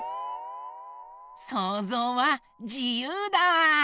そうぞうはじゆうだ！